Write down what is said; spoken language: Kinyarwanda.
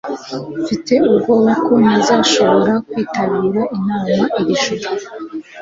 mfite ubwoba ko ntazashobora kwitabira inama iri joro